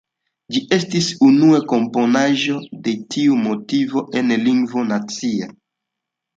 Ĝi estis unua komponaĵo de tiu motivo en lingvo nacia.